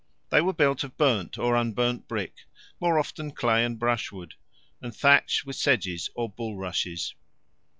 They were built of burnt or unburnt brick, more often clay and brushwood, and thatched with sedges or bulrushes.